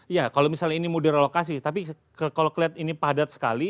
iya kalau misalnya ini mudir alokasi tapi kalau kelihatan ini padat sekali